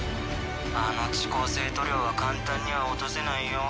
あの遅効性塗料は簡単には落とせないよ。